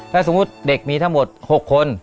ถ้าสมมุติเด็กมีทั้งหมด๖คน